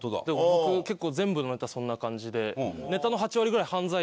僕結構全部のネタそんな感じで。